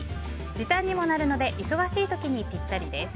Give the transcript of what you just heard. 時短にもなるので忙しい時にぴったりです。